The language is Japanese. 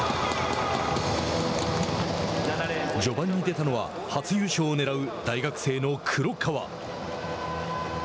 序盤に出たのは初優勝をねらう大学生の黒川。